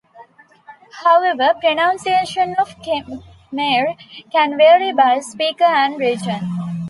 However, pronunciation of Khmer can vary by speaker and region.